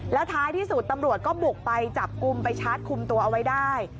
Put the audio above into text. แล้วท้ายที่สุดตำรวจก็บุกไปจับกลุ่มไปชาร์จคุมตัวเอาไว้ได้